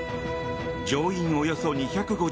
乗員およそ２５０人。